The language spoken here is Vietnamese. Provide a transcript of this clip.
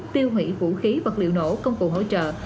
tiêu hủy vũ khí vật liệu nổ công cụ hỗ trợ